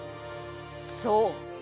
そう。